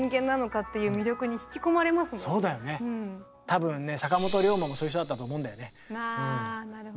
多分ね坂本龍馬もそういう人だったと思うんだよね。